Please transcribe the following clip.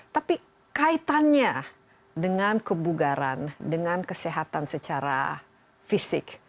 tapi kaitannya dengan kebugaran dengan kesehatan secara fisik